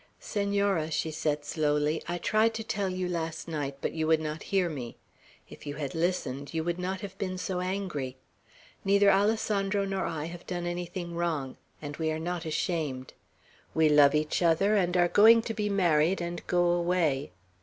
"Senora," she said slowly, "I tried to tell you last night, but you would not hear me. If you had listened, you would not have been so angry. Neither Alessandro nor I have done anything wrong, and we were not ashamed. We love each other, and we are going to be married, and go away.